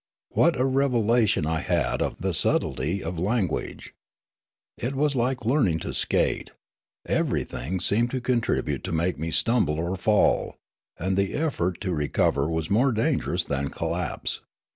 What a revelation I had of the subtlety of language ! It was like learning to skate ; everything seemed to contribute to make me stumble or fall ; and the effort to recover was more dangerous than collapse.